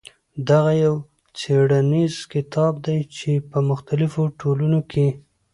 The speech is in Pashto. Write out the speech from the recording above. دغه يو څېړنيز کتاب دى چې په مختلفو ټولنو کې.